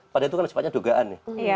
pada itu kan cepatnya dugaan ya